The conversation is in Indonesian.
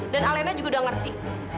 dan alena juga udah ngerti